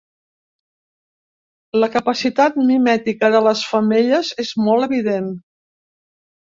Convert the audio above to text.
La capacitat mimètica de les femelles és molt evident.